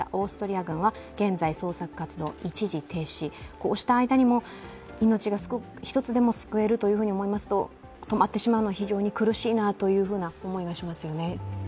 こうした間でも命が一つでも救えると思いますと止まってしまうのは非常に苦しいなという思いがしますよね。